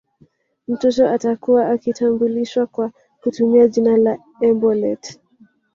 Mtoto atakuwa akitambulishwa kwa kutumia jina la embolet